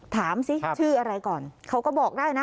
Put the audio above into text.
ถามสิชื่ออะไรก่อนเขาก็บอกได้นะ